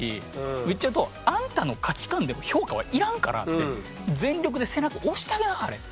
言っちゃうと「あんたの価値観で評価はいらんから全力で背中を押してあげなはれ」。